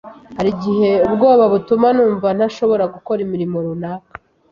“Hari igihe ubwoba butuma numva ntashobora gukora imirimo runaka